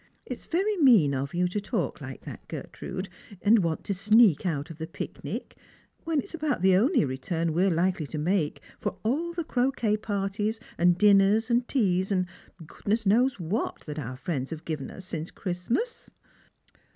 It's very mean of you to talk like that, Gertrude, and want to sneak out of the picnic, wheu it's about the only return we're likely to make for all the croquet jiarties and dinners and teas and goodness knows what that our friends have given us since Christmas."